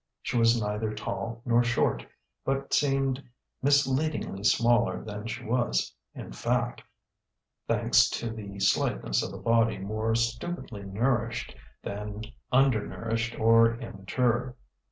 She was neither tall nor short, but seemed misleadingly smaller than she was in fact, thanks to the slightness of a body more stupidly nourished than under nourished or immature.